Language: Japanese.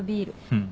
うん。